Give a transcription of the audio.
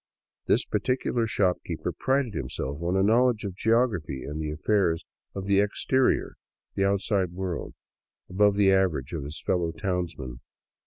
This particular shopkeeper prided himself on a knowledge of geography and the affairs of the " exterior," the outside world, above the average of his fellow townsmen.